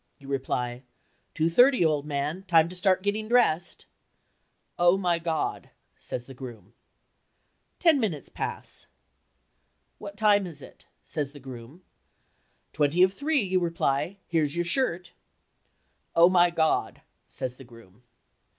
You reply, "Two thirty, old man. Time to start getting dressed." "Oh, my God!" says the groom. Ten minutes pass. "What time is it?" says the groom. "Twenty of three," you reply. "Here's your shirt." "Oh, my God!" says the groom.